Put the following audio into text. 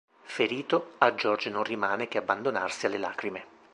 Ferito, a George non rimane che abbandonarsi alle lacrime.